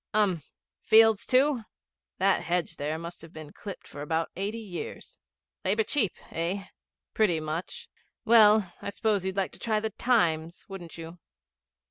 'Urn. Fields, too?' 'That hedge there must have been clipped for about eighty years.' 'Labour cheap eh?' 'Pretty much. Well, I suppose you'd like to try the Times, wouldn't you?'